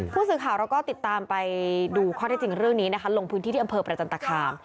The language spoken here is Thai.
ผู้สื่อข่าวเราก็ติดตามไปดูข้อเท็จจริงเรื่องนี้นะคะลงพื้นที่ที่อำเภอประจันตคาม